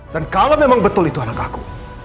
dan kalau memang betul itu anak aku